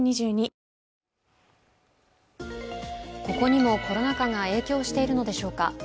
ここにもコロナ禍が影響しているのでしょうか。